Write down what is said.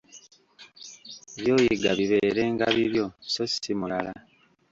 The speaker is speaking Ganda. By'oyiga biberenga bibyo so ssi mulala.